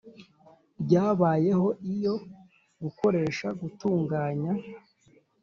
Ryabayeho iyo gukoresha gutunganya